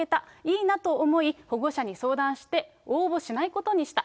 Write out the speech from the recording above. いいなと思い、保護者に相談して応募しないことにした。